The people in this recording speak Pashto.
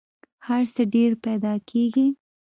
هر څه ډېر پیدا کېږي .